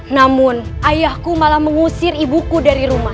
namun ayahku malah mengusir ibuku dari rumah